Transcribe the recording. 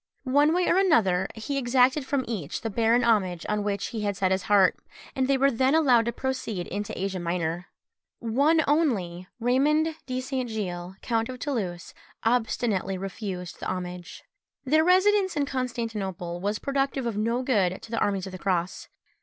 One way or another he exacted from each the barren homage on which he had set his heart, and they were then allowed to proceed into Asia Minor. One only, Raymond de St. Gilles count of Toulouse, obstinately refused the homage. Wilken. Their residence in Constantinople was productive of no good to the armies of the cross.